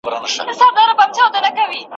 چي ته مه ژاړه پیسې مو دربخښلي